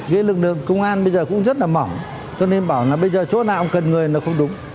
cái lực lượng công an bây giờ cũng rất là mỏng tôi nên bảo là bây giờ chỗ nào cần người nó không đúng